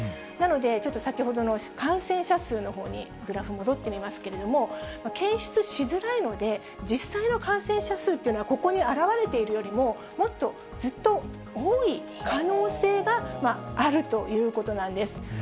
なので、ちょっと先ほどの感染者数のほうにグラフ、戻ってみますけれども、検出しづらいので、実際の感染者数というのは、ここに現れているよりももっとずっと多い可能性があるということなんです。